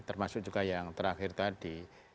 termasuk juga yang terakhir tadi